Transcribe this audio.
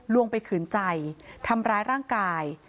ไปขืนใจทำร้ายร่างกาย